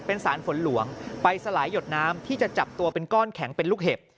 เป็นสารฝนหลวงไปสลายหยดน้ำที่จะจับตัวเป็นก้อนแข็งเป็นลูกเห็บ